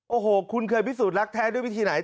โอ้โหคุณเคยพิสูจนรักแท้ด้วยวิธีไหน